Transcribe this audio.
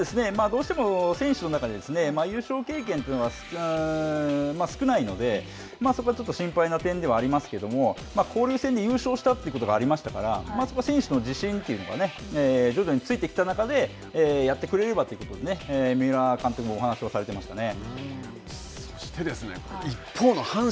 どうでしょう、このままＤｅＮどうしても選手の中で優勝経験というのが少ないので、そこはちょっと心配な点ではありますけれども、交流戦で優勝したということがありましたから、そこは選手の自信というのが徐々についてきた中で、やってくれればということで三浦監督もお話をされてましたね。